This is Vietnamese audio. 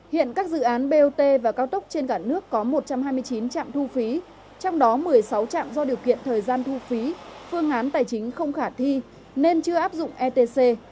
hiện các dự án bot và cao tốc trên cả nước có một trăm hai mươi chín trạm thu phí trong đó một mươi sáu trạm do điều kiện thời gian thu phí phương án tài chính không khả thi nên chưa áp dụng etc